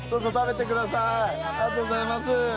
ありがとうございます。